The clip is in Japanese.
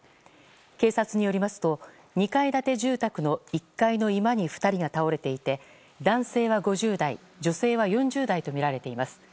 警察によりますと２階建て住宅の１階の居間に２人が倒れていて男性は５０代女性は４０代とみられています。